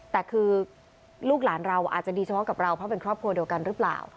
แต่คือลูกหลานเราอาจจะดีเฉพาะกับเราเพราะเป็นครอบครัวเดียวกันหรือเปล่า